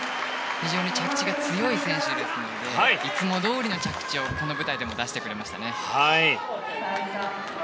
非常に着地が強い選手ですのでいつもどおりの着地をこの舞台でも出してくれました。